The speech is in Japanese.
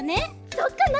そっかな！